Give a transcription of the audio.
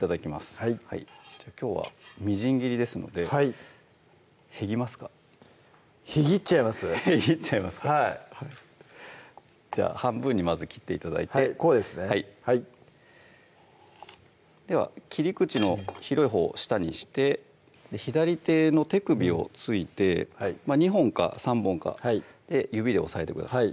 はいきょうはみじん切りですのでへぎますか？へぎっちゃいます？へぎっちゃいますかじゃあ半分にまず切って頂いてこうですねはいでは切り口の広いほうを下にして左手の手首を付いて２本か３本か指で押さえてください